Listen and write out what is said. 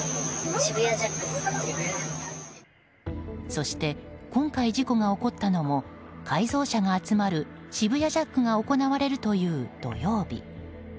そして今回事故が起こったのも改造車が集まる渋谷ジャックが行われるという土曜日。